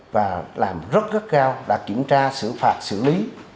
và làm rất rất cao đã kiểm tra xử phạt xử lý